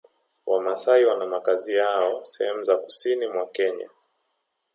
Wamasai wana makazi yao sehemu za Kusini mwa Kenya